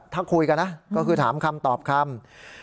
ถ้าคุยกันนะก็คือถามคำตอบคำ